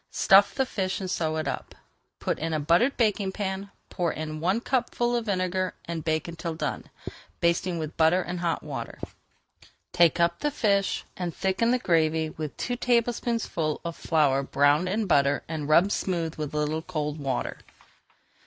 Stuff the fish and sew it up. Put in a buttered baking pan, pour in one cupful of vinegar, and bake until done, basting with butter and hot water. Take up the fish and thicken the gravy with two tablespoonfuls of flour browned in butter and rubbed smooth with a little cold water.